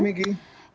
selamat pagi megi